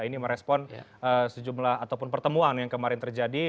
ini merespon sejumlah ataupun pertemuan yang kemarin terjadi